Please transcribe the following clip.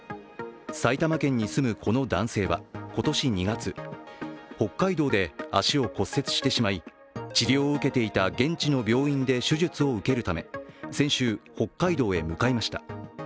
埼玉県に住むこの男性は今年２月、北海道で足を骨折してしまい治療を受けていた現地の病院で手術を受けるため、先週、北海道へ向かいました。